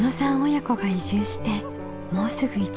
親子が移住してもうすぐ１年。